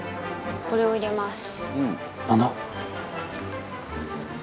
これを入れます。